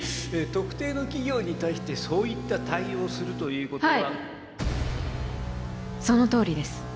特定の企業に対してそういった対応をするということははいそのとおりです